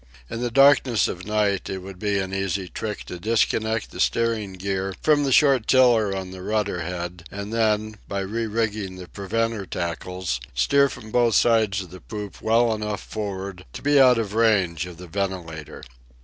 In the darkness of night it would be an easy trick to disconnect the steering gear from the short tiller on the rudder head, and then, by re rigging the preventer tackles, steer from both sides of the poop well enough for'ard to be out of the range of the ventilator.